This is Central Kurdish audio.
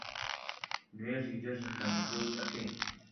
نوێژی جێژن لە مزگەوت ئەکەین